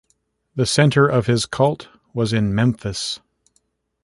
The center of his cult was in Memphis.